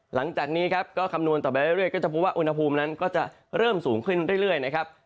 หลังจากนี้ครับก็คำนวณต่อไปเรื่อยก็จะพบว่าอุณหภูมินั้นก็จะเริ่มสูงขึ้นเรื่อยนะครับ